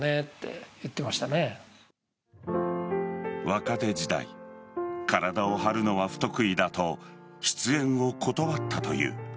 若手時代体を張るのは不得意だと出演を断ったという。